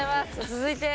続いて。